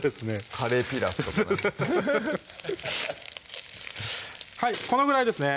カレーピラフとかハハハハはいこのぐらいですね